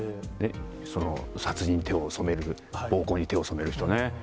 その殺人に手を染める、暴行に手を染める人ね。